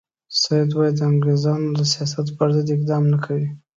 سید وایي د انګریزانو د سیاست پر ضد اقدام نه کوي.